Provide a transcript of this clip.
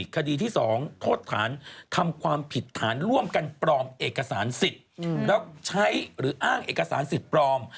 คดีที่๒โทษฐานทำความผิดฐานร่วมกันปลอมเอกสารสิทธิ์แล้วใช้หรืออ้างเอกสารสิทธิ์ปลอม